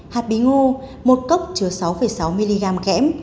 hạt bí ngô một cốc chứa sáu sáu mg kẽm